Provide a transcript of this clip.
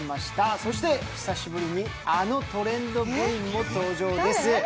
そして久しぶりにあのトレンド部員も登場です。